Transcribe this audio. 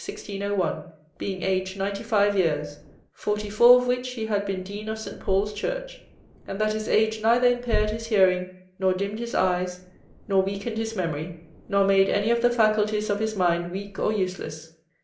1601, being aged ninety five years, forty four of which he had been Dean of St. Paul's church, and that his age neither impaired his hearing, nor dimmed his eyes, nor weakened his memory, nor made any of the faculties of his mind weak or useless".